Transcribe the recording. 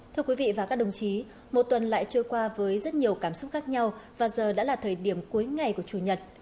thưa quý vị và các đồng chí một tuần lại trôi qua với rất nhiều cảm xúc khác nhau và giờ đã là thời điểm cuối ngày của chủ nhật